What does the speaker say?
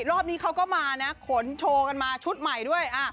รอบนี้เขาก็มานะขนโชว์กันมาชุดใหม่ด้วย